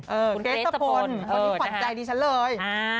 เออกระเทศสะพนคนที่ฝันใจดีฉันเลย